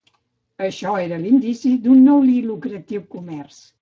Això era l'inici d'un nou i lucratiu comerç.